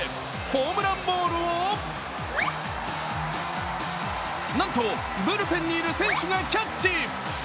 ホームランボールを、なんとブルペンにいる選手がキャッチ。